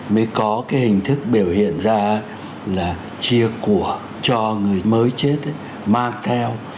mới có cái hình thức biểu hiện ra là chia của cho người mới chết mang theo